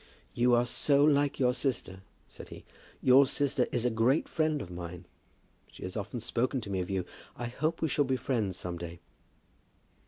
"You are so like your sister," said he. "Your sister is a great friend of mine. She has often spoken to me of you. I hope we shall be friends some day."